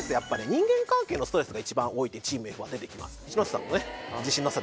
人間関係のストレスが一番多いってチームＦは出てきます一ノ瀬さんのね